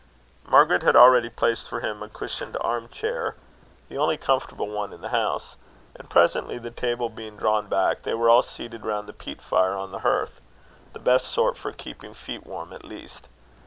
Margaret had already placed for him a cushioned arm chair, the only comfortable one in the house; and presently, the table being drawn back, they were all seated round the peat fire on the hearth, the best sort for keeping feet warm at least.